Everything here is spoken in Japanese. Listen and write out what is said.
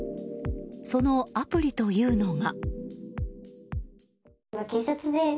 そのアプリというのが。